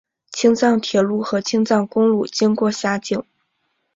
青藏铁路和青藏公路经过辖境。